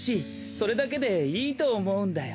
それだけでいいとおもうんだよ。